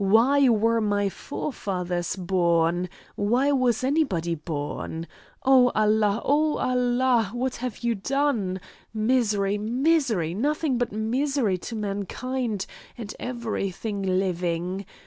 Why were my forefathers born? Why was anybody born? Oh, Allah! Oh, Allah! What have you done! Misery! Misery! Nothing but misery to mankind and everything living.